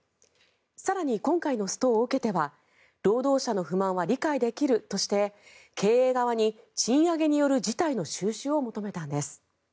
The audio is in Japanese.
更に、今回のストを受けては労働者の不満は理解できるとして経営側に、賃上げによる事態の収拾を求めたんです。